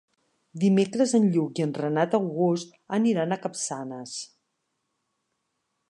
Dimecres en Lluc i en Renat August aniran a Capçanes.